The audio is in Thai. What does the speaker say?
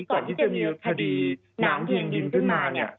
ก่อนที่จะมีคดีน้ำเพียงดินขึ้นมาเนี่ย